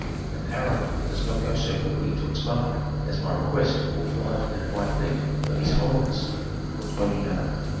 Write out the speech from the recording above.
"An arrow does not go so quickly to its mark as my request will fly to the divine feet of his holiness," replied Eunana.